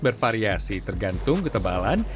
bervariasi tergantung ketebalan